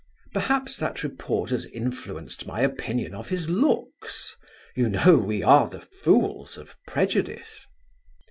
Perhaps that report has influenced my opinion of his looks You know we are the fools of prejudice.